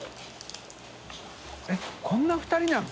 ┐こんな２人なの？